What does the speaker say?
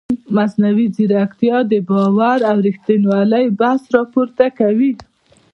مصنوعي ځیرکتیا د باور او ریښتینولۍ بحث راپورته کوي.